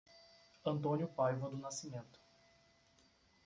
Antônio Paiva do Nascimento